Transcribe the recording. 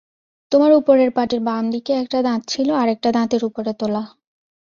তোমার ওপরের পাটির বাম দিকে একটা দাঁত ছিল আরেকটা দাঁতের ওপরে তোলা।